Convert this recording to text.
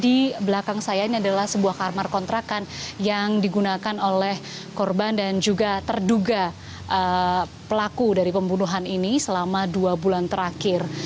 di belakang saya ini adalah sebuah karmar kontrakan yang digunakan oleh korban dan juga terduga pelaku dari pembunuhan ini selama dua bulan terakhir